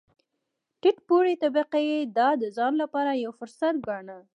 ټیټ پوړې طبقې دا د ځان لپاره یو فرصت ګاڼه.